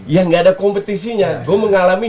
yang tidak ada kompetisnya gue mengalami